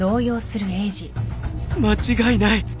間違いない